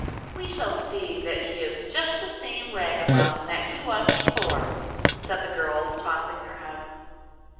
'We shall see that he is just the same ragamuffin that he was before,' said the girls, tossing their heads.